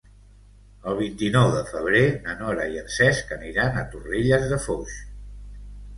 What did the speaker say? El vint-i-nou de febrer na Nora i en Cesc aniran a Torrelles de Foix.